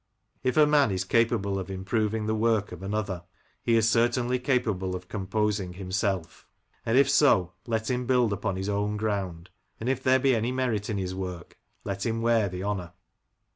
If a man is capable of improving the work of another, he is certainly capable of composing himself; and if so, let him build upon his own ground, and if there be any merit in his work, let him wear the honour."